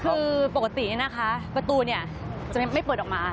คือปกตินะคะประตูเนี่ยจะไม่เปิดออกมา